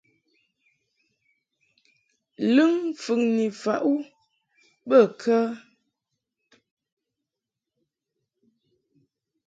Lɨŋ mfɨŋni faʼ u bə kə ?